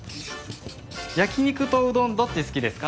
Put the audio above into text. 焼き肉とうどんどっち好きですか？